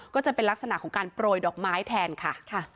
ก็จะเป็นลักษณะของการโปรยดอกไม้แทนค่ะ